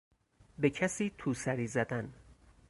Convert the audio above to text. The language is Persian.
به کسی توسری زدن